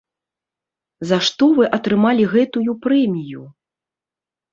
За што вы атрымалі гэтую прэмію?